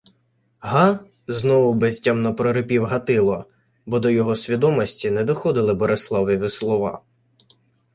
— Га? — знову безтямно прорипів Гатило, бо до його свідомості не доходили Бориславові слова.